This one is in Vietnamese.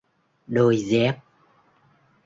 Đôi dép